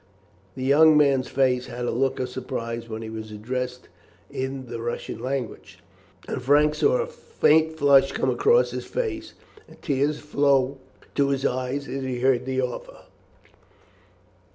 The young man's face had a look of surprise when he was addressed in the Russian language, and Frank saw a faint flush come across his face and tears flow to his eyes as he heard the offer.